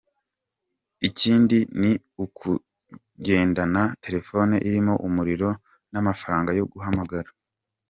Ikindi ni ukugendana telefone irimo umuriro n’amafaranga yo guhamagara.